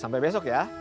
sampai besok ya